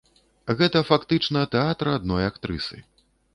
Гэта фактычна тэатр адной актрысы.